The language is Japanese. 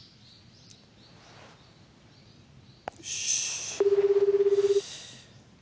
よし。